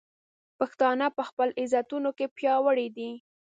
پښتانه په خپلو عزتونو کې پیاوړي دي.